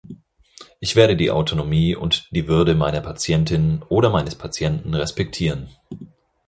Ich werde die Autonomie und die Würde meiner Patientin oder meines Patienten respektieren.